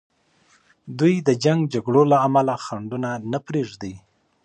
دوی د جنګ جګړو له امله خنډونه نه پریږدي.